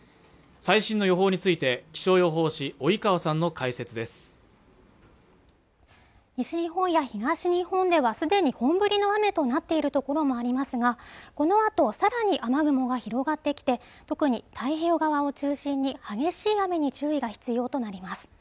最新の予報について気象予報士及川さんの解説です西日本や東日本ではすでに本降りの雨となっているところもありますがこのあと更に雨雲が広がってきて特に太平洋側を中心に激しい雨に注意が必要となります